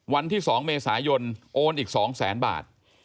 วันที่๒เมษายนโอนอีก๒แสนบาท